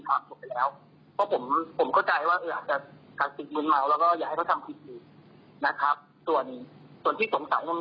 กับตำรวจทำไมเปิดเจริญข้อมูล